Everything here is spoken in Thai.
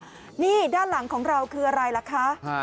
นี่ด้านหลังของเราคืออะไรล่ะคะ